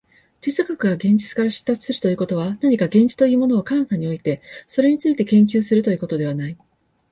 哲学が現実から出立するということは、何か現実というものを彼方に置いて、それについて研究するということではない。